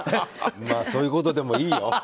そういうことでもいいよ。